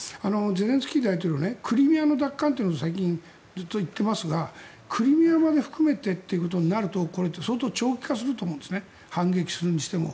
ゼレンスキー大統領はクリミアの奪還を最近ずっと言っていますがクリミアまで含めてということになると相当長期化すると思うんです反撃するにしても。